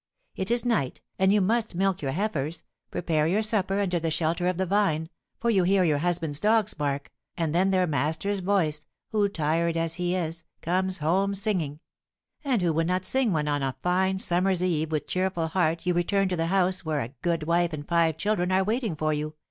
It is night, and you must milk your heifers, prepare your supper under the shelter of the vine, for you hear your husband's dogs bark, and then their master's voice, who, tired as he is, comes home singing, and who could not sing when on a fine summer's eve with cheerful heart you return to the house where a good wife and five children are waiting for you?